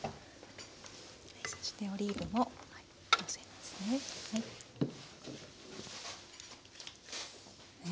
そしてオリーブものせますね。